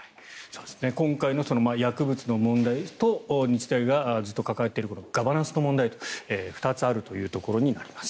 今回の薬物の問題と日大がずっと抱えているガバナンスの問題と２つあるということになります。